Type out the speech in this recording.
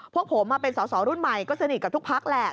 พวกผมเป็นสอสอรุ่นใหม่ก็สนิทกับทุกพักแหละ